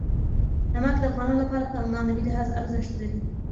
نمک د افغانانو لپاره په معنوي لحاظ ارزښت لري.